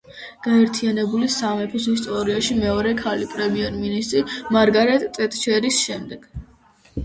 გაერთიანებული სამეფოს ისტორიაში მეორე ქალი პრემიერ-მინისტრი მარგარეტ ტეტჩერის შემდეგ.